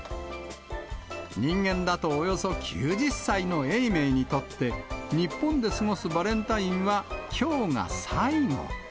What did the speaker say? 人間だとおよそ９０歳の永明にとって、日本で過ごすバレンタインは、きょうが最後。